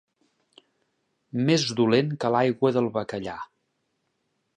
Més dolent que l'aigua del bacallà.